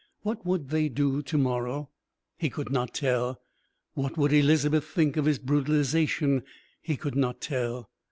What would they do to morrow? He could not tell. What would Elizabeth think of his brutalisation? He could not tell.